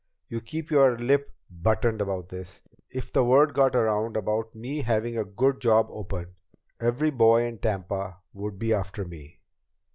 You keep your lip buttoned about this. If the word got around about me having a good job open, every boy in Tampa would be after me.